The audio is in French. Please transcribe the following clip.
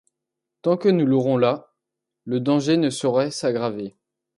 Tant que nous l’aurons là, le danger ne saurait s’aggraver.